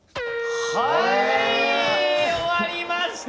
はい終わりました！